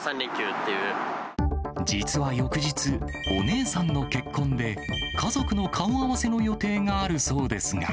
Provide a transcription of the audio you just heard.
実は翌日、お姉さんの結婚で家族の顔合わせの予定があるそうですが。